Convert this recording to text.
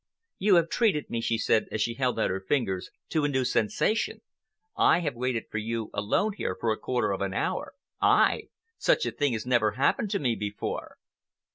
"You have treated me," she said, as she held out her fingers, "to a new sensation. I have waited for you alone here for a quarter of an hour—I! Such a thing has never happened to me before."